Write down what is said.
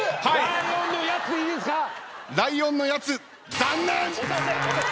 「ライオンのやつ」